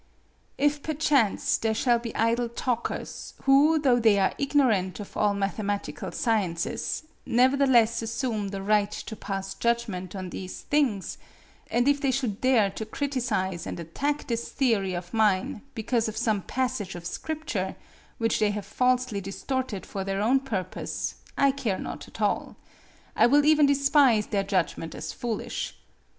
If perchance there shall be idle talkers, who, though they are ignorant of all mathematical sciences, nevertheless assume the right to pass judgment on these things, and if they should dare to criticise and attack this theory of mine because of some passage of scripture which they have falsely distorted for their own purpose, I care not at all; I will even despise their judgment as foolish.